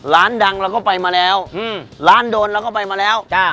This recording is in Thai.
ร้านดังเราก็ไปมาแล้วร้านโดนเราก็ไปมาแล้วจ้ะ